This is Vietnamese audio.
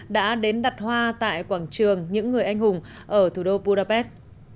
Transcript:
đã đến đặt hoa tại quảng trường những người anh hùng ở thủ đô budapest